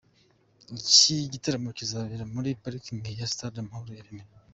Iki gitaramo kizabera muri parikingi ya Stade Amahoro i Remera.